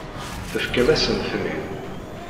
Tefkam-asen-ten-id.